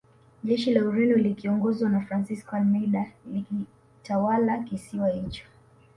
Jeshi la Ureno likiongozwa na Francisco Almeida lilikitawala kisiwa hicho